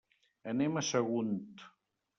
Anem a Sagunt.